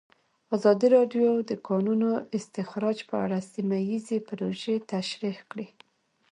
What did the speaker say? ازادي راډیو د د کانونو استخراج په اړه سیمه ییزې پروژې تشریح کړې.